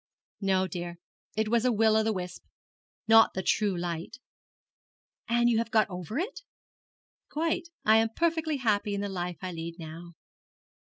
'No, dear, it was a will o' the wisp, not the true light.' 'And you have got over it?' 'Quite. I am perfectly happy in the life I lead now.'